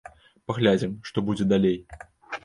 Паглядзім, што будзе далей.